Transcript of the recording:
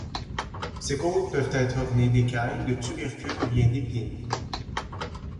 Ces côtes peuvent être ornées d'écailles, de tubercules ou bien d'épines.